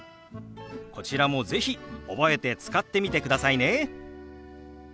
こちらも是非覚えて使ってみてくださいね。